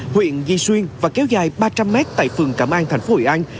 huyện duy xuyên và kéo dài ba trăm linh mét tại phường cảm an thành phố hội an